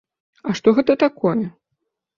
А што гэта такое?